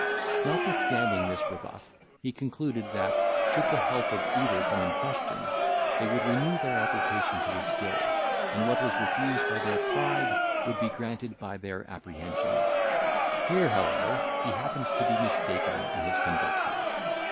Notwithstanding this rebuff, he concluded, that, should the health of either come in question, they would renew their application to his skill, and what was refused by their pride would be granted by their apprehension. Here, however, he happened to be mistaken in his conjecture.